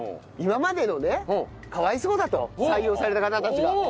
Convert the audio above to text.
今までのねかわいそうだと採用された方たちが。